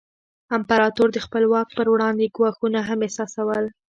امپراتور د خپل واک پر وړاندې ګواښونه هم احساسول.